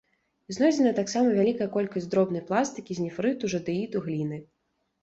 Знойдзена таксама вялікая колькасць дробнай пластыкі з нефрыту, жадэіту, гліны.